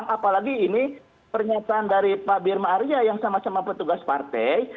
apalagi ini pernyataan dari pak birma arya yang sama sama petugas partai